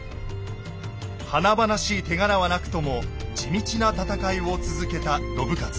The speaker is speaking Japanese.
華々しい手柄はなくとも地道な戦いを続けた信雄。